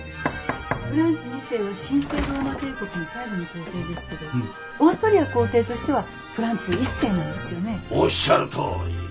・フランツ２世は神聖ローマ帝国の最後の皇帝ですけどオーストリア皇帝としてはフランツ１世なんですよね？おっしゃるとおり。